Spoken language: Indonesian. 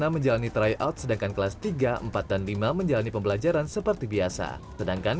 menjalani tryout sedangkan kelas tiga empat dan lima menjalani pembelajaran seperti biasa sedangkan